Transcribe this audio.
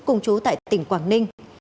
cùng chú tại tỉnh quảng ninh